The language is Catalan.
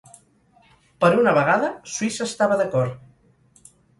Per una vegada, Suïssa estava d'acord.